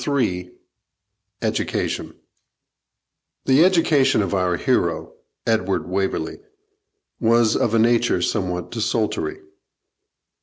CHAPTER III EDUCATION The education of our hero, Edward Waverley, was of a nature somewhat desultory.